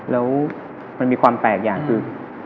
แล้วมันมีความแปลกอย่างคือ